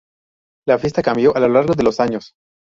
La fiesta cambió a lo largo de los años.